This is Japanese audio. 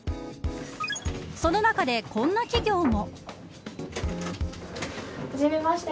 その中でこんな企業も。